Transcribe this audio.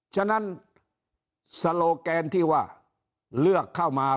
ฉะนั้นสโลแกนที่ว่าเลือกเข้ามา